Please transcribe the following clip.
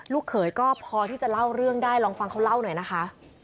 เขยก็พอที่จะเล่าเรื่องได้ลองฟังเขาเล่าหน่อยนะคะ